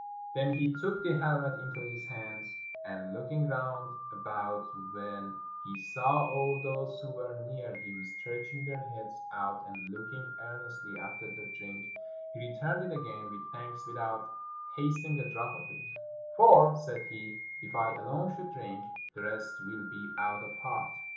Then he took the helmet into his hands, and looking round about, when he saw all those who were near him stretching their heads out and looking ear nestly after the drink, he returned it again with thanks without tasting a drop of it: " For," said he, " if I alone should drink, the rest will be out of heart."